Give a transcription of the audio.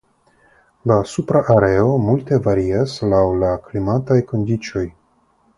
La supra areo multe varias laŭ la klimataj kondiĉoj.